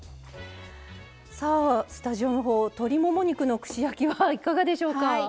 さあスタジオのほう鶏もも肉の串焼きはいかがでしょうか？